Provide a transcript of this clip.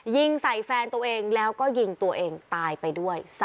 ยิงใส่แฟนตัวเองแล้วก็ยิงตัวเองตายไปด้วย